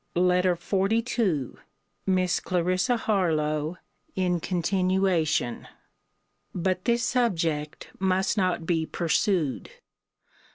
LETTER XLII MISS CLARISSA HARLOWE [IN CONTINUATION.] But this subject must not be pursued.